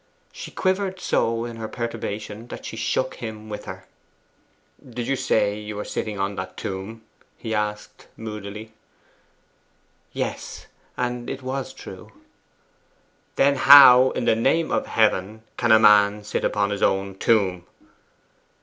She quivered so in her perturbation that she shook him with her {Note: sentence incomplete in text.} 'Did you say you were sitting on that tomb?' he asked moodily. 'Yes; and it was true.' 'Then how, in the name of Heaven, can a man sit upon his own tomb?